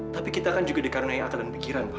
tapi kita kan juga dikarenai akal dan pikiran pak